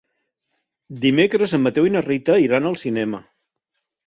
Dimecres en Mateu i na Rita iran al cinema.